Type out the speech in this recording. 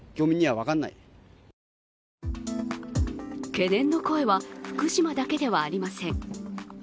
懸念の声は福島だけではありません。